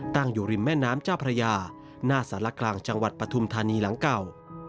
ตั้งอยู่ริมแม่น้ำเจ้าพระยาหน้าสารกลางจังหวัดปฐุมธานีหลังเก่า